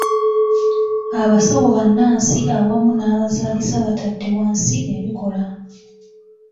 Abasawo bannansi awamu n'abazaalisa batadde wansi ebikola.